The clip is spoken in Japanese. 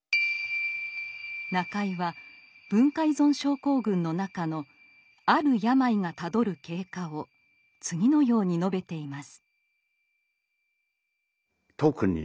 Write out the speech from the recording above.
中井は文化依存症候群の中の「ある病」がたどる経過を次のように述べています。